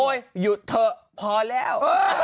โอ้ยหยุดเถอะพอแล้ว